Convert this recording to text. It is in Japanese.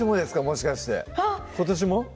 もしかしてあっ今年も？